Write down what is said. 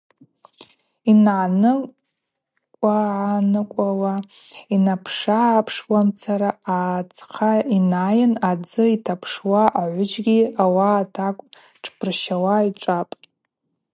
Йнаныкъвагӏаныкъвауа, йнапшыгӏапшуамцара адзхъа йнайын, адзы йташпуа агӏвыджьгьи ауаъа тӏакӏв тшпсырщауа йчӏвапӏ.